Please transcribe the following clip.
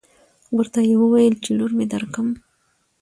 ورته يې وويل چې لور مې درکم.